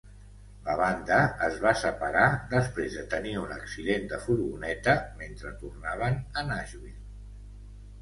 La banda es va separar després de tenir un accident de furgoneta mentre tornaven a Nashville.